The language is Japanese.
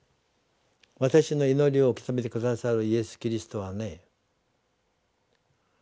私の祈りを受け止めて下さるイエス・キリストはね